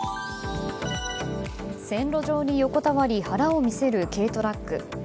線路上に横たわり腹を見せる軽トラック。